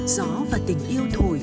gió và tình yêu thổi